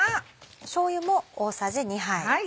しょうゆも大さじ２杯。